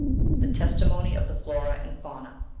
THE TESTIMONY OF THE FLORA AND FAUNA.